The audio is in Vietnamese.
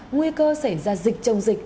nguy cơ xảy ra dịch chống dịch